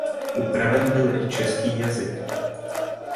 Upraven byl i český jazyk.